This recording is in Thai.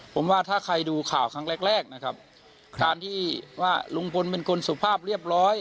ผมว่าถ้าใครดูข่าวครั้งแรกแรกนะครับการที่ว่าลุงพลเป็นคนสุภาพเรียบร้อย